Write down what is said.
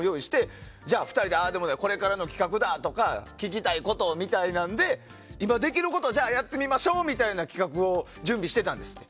２人で、ああでもないこれからの企画だとか聞きたいことみたいなので今できることをやってみましょうみたいな企画を準備してたんですって。